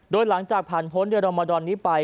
โดยหลังจากผ่านพ้นเดือนรมดรนี้ไป